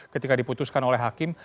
ketika diputuskan oleh hakim